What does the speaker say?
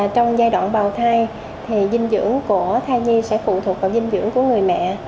trong giai đoạn bào thai thì dinh dưỡng của thai nhi sẽ phụ thuộc vào dinh dưỡng của người mẹ